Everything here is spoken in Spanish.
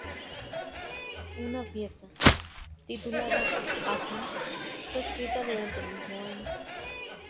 Una pieza, titulada "Asma", fue escrita durante el mismo año.